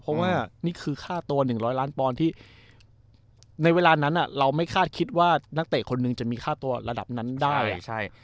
เพราะว่านี่คือค่าตัว๑๐๐ล้านปอนด์ที่ในเวลานั้นเราไม่คาดคิดว่านักเตะคนหนึ่งจะมีค่าตัวระดับนั้นได้ใช่